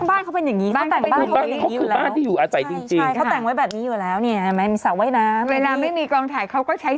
บ้านเขาเป็นอย่างงี้เขาแต่งบ้านเขาเป็นอยู่แล้วเขาคือบ้านที่อยู่อาจ่ายจริง